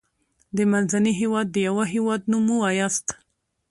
د منځني هيواد دیوه هیواد نوم ووایاست.